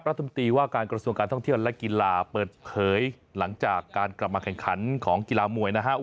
รัฐมนตรีว่าการกระทรวงการท่องเที่ยวและกีฬาเปิดเผยหลังจากการกลับมาแข่งขันของกีฬามวยนะครับ